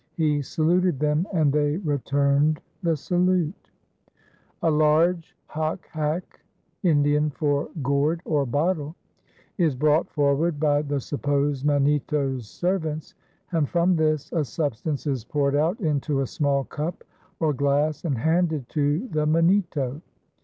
He saluted them and they returned the salute. A large hock hack [Indian for gourd or bottle] is brought forward by the supposed Mannitto's servants and from this a substance is poured out into a small cup or glass and handed to the Mannitto.